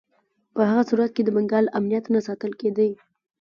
په هغه صورت کې د بنګال امنیت نه ساتل کېدی.